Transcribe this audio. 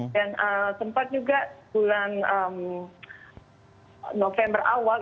dan sempat juga bulan november awal